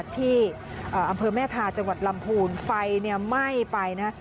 ที่อำเภอแม่ทาจังหวัดลำพูนไฟไหม้ไปนะ